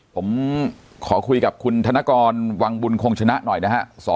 ผมขอคุยกับคุณธนกรวังบุญคงชนะหน่อยนะฮะ